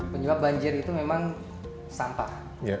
penyebab banjir itu memang sampah